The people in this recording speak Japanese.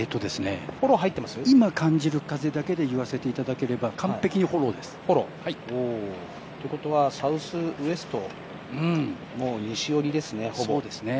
今感じる風だけで言わせていただければ、完璧にフォローです。ということはサウスウエストも西寄りですね、ほぼ。